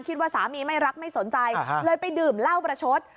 คิดว่าสามีไม่รักไม่สนใจเลยไปดื่มเหล้าประชด